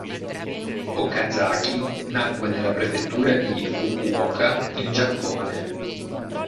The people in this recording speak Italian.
Okazaki nacque nella prefettura di Fukuoka in Giappone.